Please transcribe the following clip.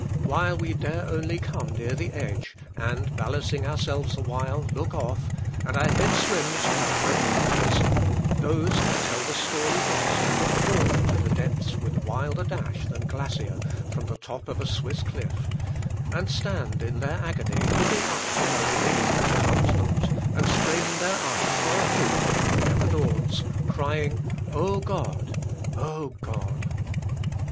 While we dare only come near the edge, and, balancing ourselves a while, look off, and our head swims, and our breath catches, those can tell the story best who have fallen to the depths with wilder dash than glacier from the top of a Swiss cliff, and stand, in their agony, looking up for a relief that comes not, and straining their eyes for a hope that never dawns crying, "O God!" "O God!"